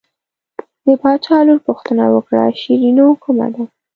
د باچا لور پوښتنه وکړه شیرینو کومه ده.